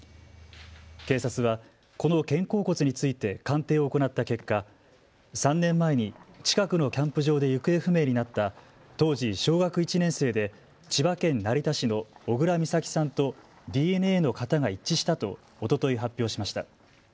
警察はこの肩甲骨について鑑定を行った結果、３年前に近くのキャンプ場で行方不明になった当時小学１年生で千葉県成田市の小倉美咲さんとＤＮＡの型が一致したとおととい発表しました。